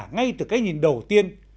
ngay từ cái nhìn đầu tiên